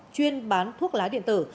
chuyên bán thuốc lá điện tử